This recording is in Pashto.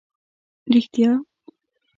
رښتیا.